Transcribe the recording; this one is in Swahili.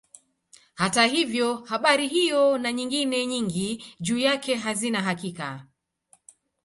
Hata hivyo habari hiyo na nyingine nyingi juu yake hazina hakika.